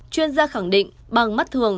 chuyên gia khẳng định bằng mắt thường